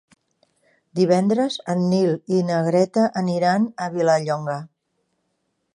Divendres en Nil i na Greta aniran a Vilallonga.